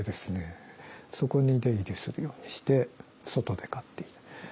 そこに出入りするようにして外で飼っていた。